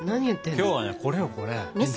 今日はねこれよこれ。